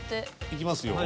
いきますよ。